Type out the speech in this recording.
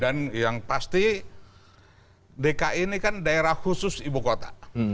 dan yang pasti dki ini kan daerah khusus ibu kota